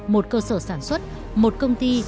một cơ sở sản xuất một công ty